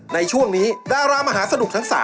ในช่วงนี้ดารามหาสนุกทั้ง๓